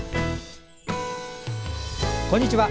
こんにちは。